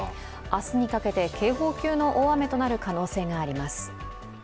明日にかけて、警報級の大雨となる可能性があります。